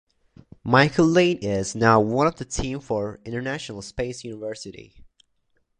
Michael Laine is now one of the team for International Space University.